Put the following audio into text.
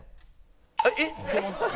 えっ？